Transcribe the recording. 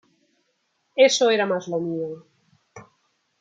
Eso era más lo mío.